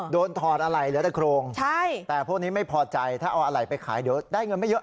โดนถอดอะไหล่รถกรงใช่แต่พวกนี้ไม่พอใจถ้าเอาอะไหล่ไปขายเดี๋ยวได้เงินไม่เยอะ